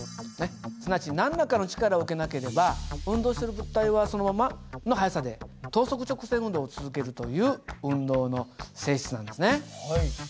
すなわち何らかの力を受けなければ運動している物体はそのままの速さで等速直線運動を続けるという運動の性質なんですね。